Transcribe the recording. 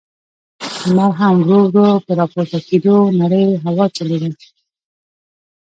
لمر هم ورو، ورو په راپورته کېدو و، نرۍ هوا چلېده.